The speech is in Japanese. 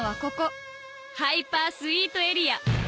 ハイパースイートエリア！